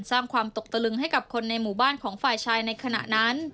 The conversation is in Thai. สร้างความตกตะลึงให้กับคนในหมู่บ้านของฝ่ายชายในขณะนั้น